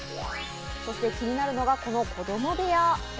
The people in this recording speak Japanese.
そして気になるのがこの子供部屋。